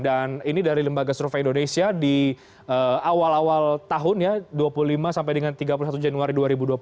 dan ini dari lembaga survei indonesia di awal awal tahun ya dua puluh lima sampai dengan tiga puluh satu januari dua ribu dua puluh satu